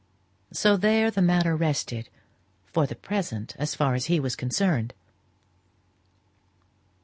So there the matter rested for the present, as far as he was concerned.